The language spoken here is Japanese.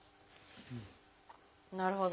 なるほど。